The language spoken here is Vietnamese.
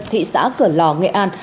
thị xã cửa lò nghệ an